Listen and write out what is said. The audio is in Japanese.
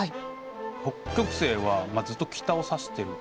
北極星はずっと北を指してる。